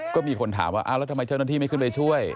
ก็มีคนถามว่าอ้าวแล้วทำไมเจ้าหน้าที่ไม่ขึ้นไปช่วย